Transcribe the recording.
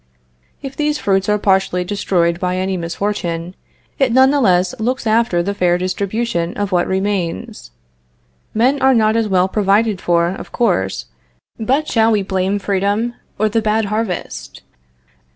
If these fruits are partially destroyed by any misfortune, it none the less looks after the fair distribution of what remains. Men are not as well provided for, of course, but shall we blame freedom or the bad harvest?